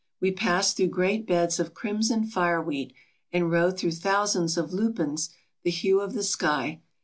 We passed through great beds of crimson fire weed, and rode through thousands of lupins the hue of the sky.